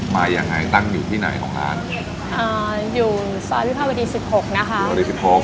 มายังไงตั้งอยู่ที่ไหนของร้านอ่าอยู่ซอยวิภาวดีสิบหกนะคะสวัสดีสิบหก